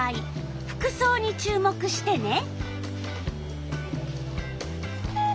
服そうに注目してね。